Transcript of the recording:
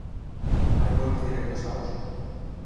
Hay vuelos directos a Oslo.